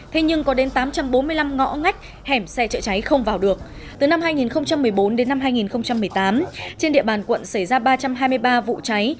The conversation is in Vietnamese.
thế nhưng có đến tám trăm bốn mươi năm ngõ ngách hẻm xe trợ cháy không vào được từ năm hai nghìn một mươi bốn đến năm hai nghìn một mươi tám trên địa bàn quận xảy ra ba trăm hai mươi ba vụ cháy